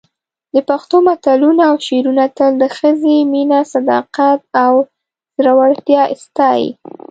د پښتو متلونه او شعرونه تل د ښځې مینه، صداقت او زړورتیا ستایي.